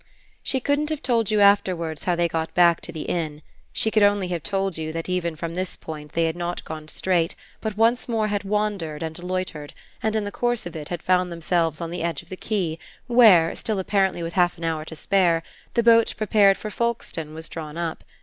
She couldn't have told you afterwards how they got back to the inn: she could only have told you that even from this point they had not gone straight, but once more had wandered and loitered and, in the course of it, had found themselves on the edge of the quay where still apparently with half an hour to spare the boat prepared for Folkestone was drawn up.